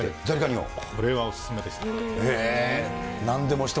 これはお勧めでした。